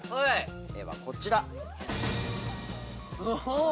絵はこちら。